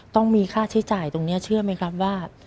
ต้องมีค่าใช้จ่ายตรงนี้เชื่อไหมครับว่า